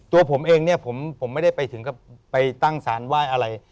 ตัวผมเองเนี่ยผมไม่ได้ไปถึงกับไปตั้งสารไหว้อะไร